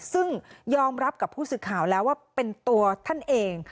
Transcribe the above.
ซึ่งยอมรับกับผู้สื่อข่าวแล้วว่าเป็นตัวท่านเอง